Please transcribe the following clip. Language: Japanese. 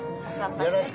よろしく。